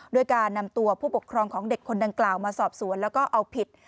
ด้วยการนำตัวผู้ปกครองของเด็กคนดังกล่าวมาสอบสวนแล้วก็เอาผิด